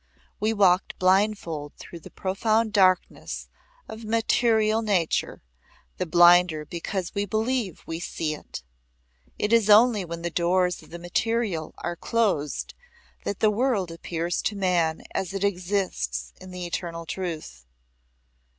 We walk blindfold through the profound darkness of material nature, the blinder because we believe we see it. It is only when the doors of the material are closed that the world appears to man as it exists in the eternal truth.